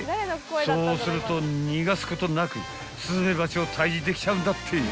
［そうすると逃がすことなくスズメバチを退治できちゃうんだって］